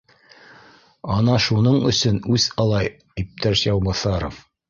Ана шуның өсөн үс ала иптәш Яубаҫаров